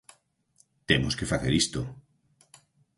Temos que facer isto.